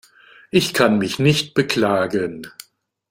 Ich kann mich nicht beklagen.